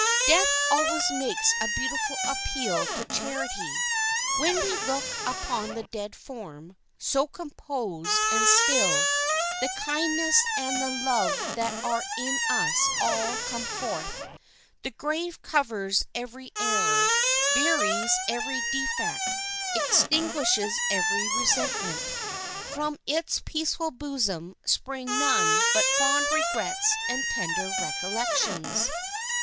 Death always makes a beautiful appeal to charity. When we look upon the dead form, so composed and still, the kindness and the love that are in us all come forth. The grave covers every error, buries every defect, extinguishes every resentment. From its peaceful bosom spring none but fond regrets and tender recollections.